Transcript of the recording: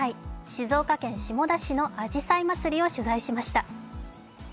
静岡県下田市のあじさい祭をしゅざいしました。